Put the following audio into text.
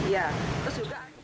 ya itu suka